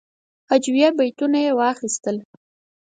هجویه بیتونه یې واخیستل.